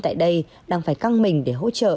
tại đây đang phải căng mình để hỗ trợ